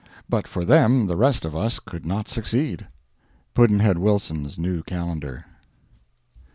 But for them the rest of us could not succeed. Pudd'nhead Wilson's New Calendar.